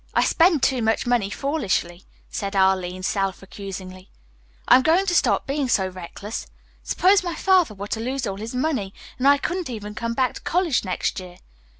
I spend too much money foolishly," said Arline self accusingly. "I'm going to stop being so reckless. Suppose my father were to lose all his money and I couldn't even come back to college next year?